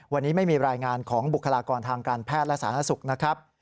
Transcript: วันนี้ไม่มีรายงานของบุคลากรทางการแพทย์และสาธารณสุขนะครับ